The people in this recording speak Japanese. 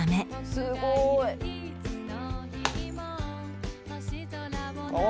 すごいな！